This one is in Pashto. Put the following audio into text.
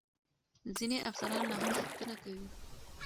ځینې افسران لا هم پوښتنه کوي.